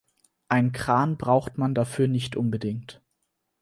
Einen Kran braucht man dafür nicht unbedingt.